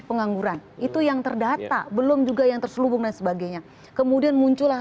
pengangguran itu yang terdata belum juga yang terselubung dan sebagainya kemudian muncullah